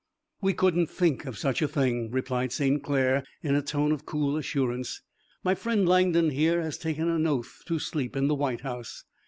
"We couldn't think of such a thing," replied St. Clair, in a tone of cool assurance. "My friend Langdon here, has taken an oath to sleep in the White House.